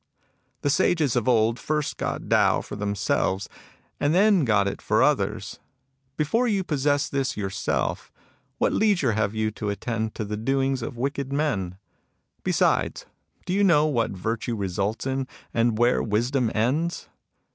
" The Sages of old first got Tao for themselves, and then got it for others. Before you possess this yourself, what leisure have you to attend to the doings of wicked men 1 Besides, do you know what Virtue results in, and where Wisdom ends